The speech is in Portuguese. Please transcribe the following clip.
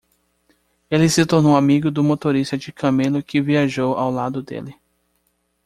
Ele se tornou amigo do motorista de camelo que viajou ao lado dele.